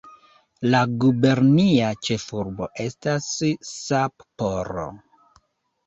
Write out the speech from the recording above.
La gubernia ĉefurbo estas Sapporo.